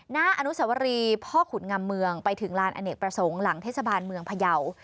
อนุสวรีพ่อขุนงำเมืองไปถึงลานอเนกประสงค์หลังเทศบาลเมืองพยาว